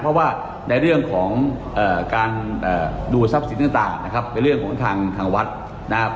เพราะว่าในเรื่องของการดูทรัพย์สินต่างนะครับเป็นเรื่องของทางวัดนะครับ